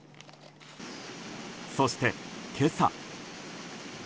そして今朝。